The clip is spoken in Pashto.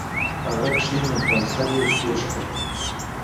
هغه کښیناست او سر یې کږ کړ